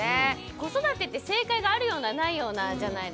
子育てって正解があるようなないようなじゃないですか。